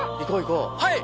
はい！